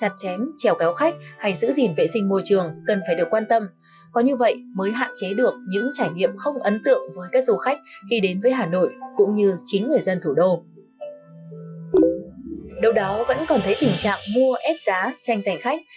đâu đó vẫn còn thấy tình trạng mua ép giá tranh giành khách